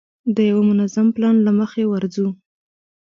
د یوه منظم پلان له مخې ورځو.